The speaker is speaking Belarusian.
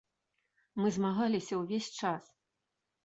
Мы змагаліся ўвесь час.